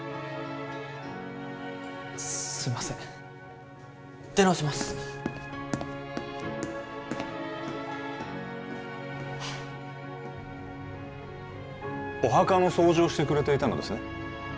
すいません出直しますお墓の掃除をしてくれていたのですね